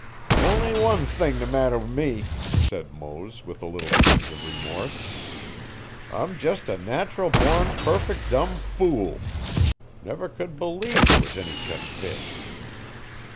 'Only one thing the matter o' me,' said Mose with a little twinge of remorse. 'I'm jest a natural born perfec' dum fool. Never c'u'd b'lieve there was any sech fish.'